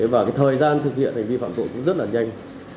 và cái thời gian thực hiện hành vi phạm tội cũng rất là nhanh